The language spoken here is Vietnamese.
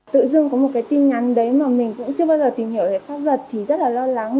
tự dương có một cái tin nhắn đấy mà mình cũng chưa bao giờ tìm hiểu về pháp luật thì rất là lo lắng